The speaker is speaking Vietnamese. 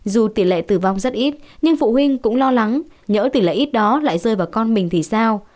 dù tỷ lệ tử vong rất ít nhưng phụ huynh cũng lo lắng nhỡ tỷ lệ ít đó lại rơi vào con mình thì sao